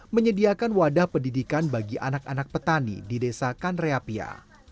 menyediakan wadah pendidikan bagi anak anak petani di desa kanreapia